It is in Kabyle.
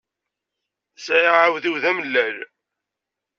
Sεiɣ aεudiw d amellal.